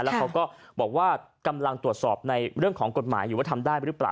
แล้วเขาก็บอกว่ากำลังตรวจสอบในเรื่องของกฎหมายอยู่ว่าทำได้หรือเปล่า